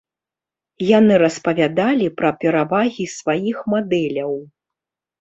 Яны распавядалі пра перавагі сваіх мадэляў.